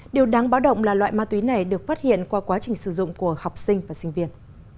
điều đáng báo động là loại ma túy này được phát hiện qua quá trình sử dụng của học sinh và sinh viên